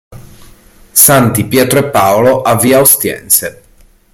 Santi Pietro e Paolo a Via Ostiense